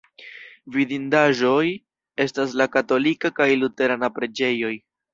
Vidindaĵoj estas la katolika kaj luterana preĝejoj.